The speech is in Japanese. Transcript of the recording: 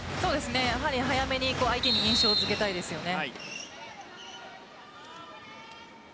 やはり早めに相手に印象付けたいですね。